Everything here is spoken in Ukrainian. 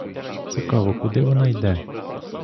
Цікаво, куди вона йде?